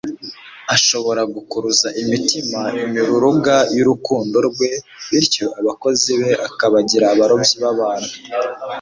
ashobora gukuruza imitima imiruruga y'urukundo rwe, bityo abakozi be akabagira abarobyi b'abantu.